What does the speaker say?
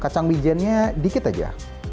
kacang bijennya dikit saja